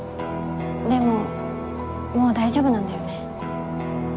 でももう大丈夫なんだよね？